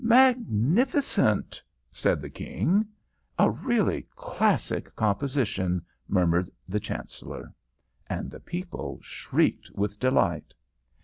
"Magnificent!" said the King. "A really classic composition," murmured the Chancellor. And the people shrieked with delight.